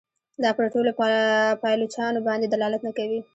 دا پر ټولو پایلوچانو باندي دلالت نه کوي.